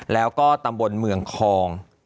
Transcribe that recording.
แล้วก็ตำบลเมืองคอง